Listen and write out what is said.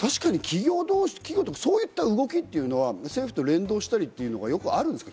そういった動きというのは政府と連動したりということは、よくあるんですか？